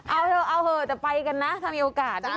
เอาเถอะเอาเหอะจะไปกันนะถ้ามีโอกาสนะ